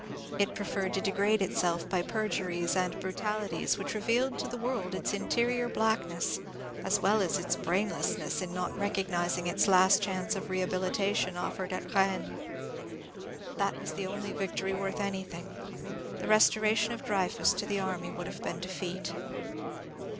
It preferred to degrade itself by perjuries and brutalities which revealed to the world its interior blackness, as well as its brainlessness in not recogniz ing its last chance of rehabilitation offered at Rennes. That was the only victory worth anything. The restoration of Dreyfus to the army would have been defeat.